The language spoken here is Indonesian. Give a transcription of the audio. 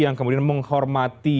yang kemudian menghormati